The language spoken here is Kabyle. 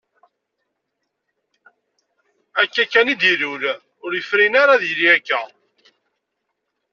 Akka kan i d-ilul, ur yefrin ara ad yili akka.